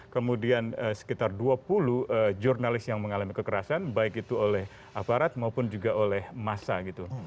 kemudian sekitar dua puluh jurnalis yang mengalami kekerasan baik itu oleh aparat maupun juga oleh massa gitu